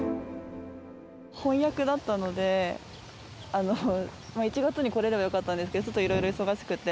本厄だったので、１月に来れればよかったんですけど、ちょっといろいろ忙しくて。